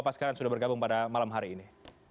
apasal kalian sudah bergabung pada malam hari ini